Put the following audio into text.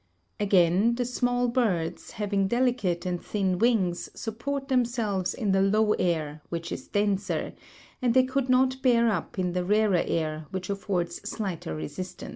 Again, the small birds, having delicate and thin wings, support themselves in the low air, which is denser, and they could not bear up in the rarer air, which affords slighter resistance.